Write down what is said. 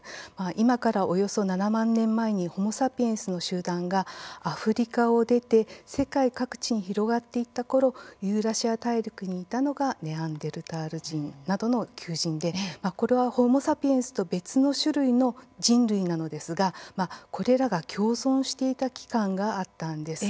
今から、およそ７万年前にホモ・サピエンスの集団がアフリカを出て世界各地に広がっていったころユーラシア大陸にいたのがネアンデルタール人などの旧人でこれは、ホモ・サピエンスと別の種類の人類なのですがこれらが共存していた期間があったんです。